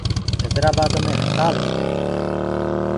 هيدرآبآدو مي هڙتآل هوگي۔